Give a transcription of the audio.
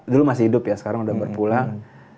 dulu masih hidup ya sekarang udah berpulang